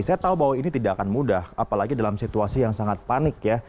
saya tahu bahwa ini tidak akan mudah apalagi dalam situasi yang sangat panik ya